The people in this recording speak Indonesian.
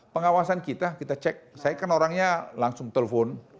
pengawasan kita kita cek saya kan orangnya langsung telepon